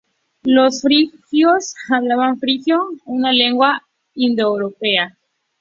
Los frigios hablaban frigio, una lengua indoeuropea.